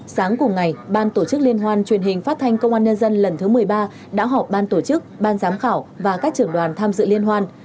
sáng cùng ngày ban tổ chức liên hoan truyền hình phát thanh công an nhân dân lần thứ một mươi ba đã họp ban tổ chức ban giám khảo và các trưởng đoàn tham dự liên hoan